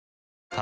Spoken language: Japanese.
あ